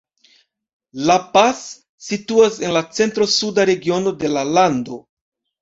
La Paz situas en la centro-suda regiono de la lando.